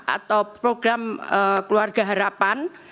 atau program keluarga harapan